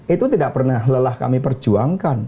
itu tidak pernah lelah kami perjuangkan